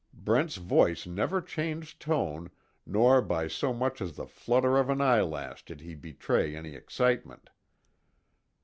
Brent's voice never changed tone, nor by so much as the flutter of an eye lash did he betray any excitement.